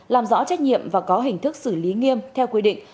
làm rõ trách nhiệm và có hình thức xử lý nghiêm theo quy định